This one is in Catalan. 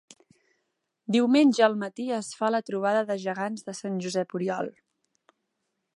Diumenge al matí es fa la Trobada de Gegants de Sant Josep Oriol.